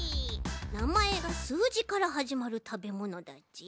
なまえがすうじからはじまるたべものだち？